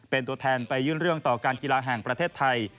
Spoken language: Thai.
เป็นตัวแทนไปยื่นเรื่องต่อการกีฬาแห่งประเทศไทย